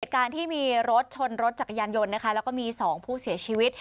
การที่มีรถชนรถจักรยานยนต์นะคะแล้วก็มี๒ผู้เสียชีวิต